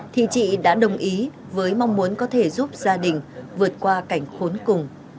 thì chị đã đồng ý với mong muốn có thể giúp gia đình vượt qua cảnh khốn cùng